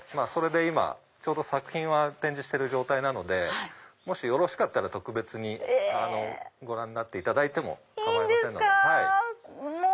それで今ちょうど作品は展示してる状態なのでもしよろしかったら特別にご覧いただいても構いません。